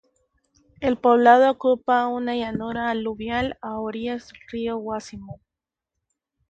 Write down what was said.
El poblado ocupa una llanura aluvial a orillas del río Guácimo.